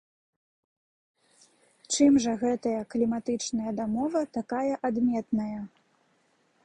Чым жа гэтая кліматычная дамова такая адметная?